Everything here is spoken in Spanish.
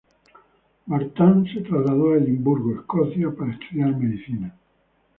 Vartan se trasladó a Edimburgo, Escocia para estudiar medicina.